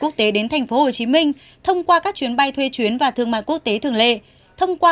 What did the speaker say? quốc tế đến tp hcm thông qua các chuyến bay thuê chuyến và thương mại quốc tế thường lệ thông qua